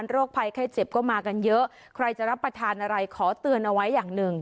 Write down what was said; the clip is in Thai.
โรคภัยไข้เจ็บก็มากันเยอะใครจะรับประทานอะไรขอเตือนเอาไว้อย่างหนึ่ง